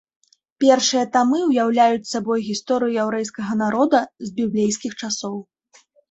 Першыя тамы ўяўляюць сабой гісторыю яўрэйскага народа з біблейскіх часоў.